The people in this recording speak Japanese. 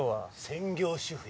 専業主夫？